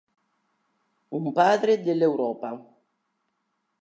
Un padre dell'Europa".